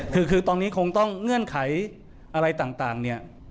คือตอนนี้คงต้องเงื่อนไขอะไรต่างเนี่ย